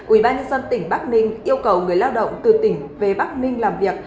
ủy ban nhân dân tỉnh bắc ninh yêu cầu người lao động từ tỉnh về bắc ninh làm việc